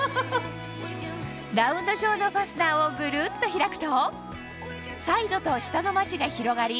ラウンド状のファスナーをグルっと開くとサイドと下のマチが広がり